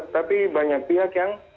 tapi banyak pihak yang